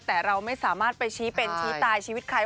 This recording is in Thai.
แต่เราไม่สามารถไปชี้เป็นชี้ตายชีวิตใคร